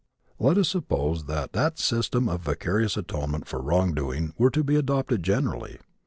Let us suppose that that system of vicarious atonement for wrong doing were to be adopted generally.